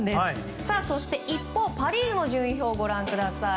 そして、一方パ・リーグの順位表をご覧ください。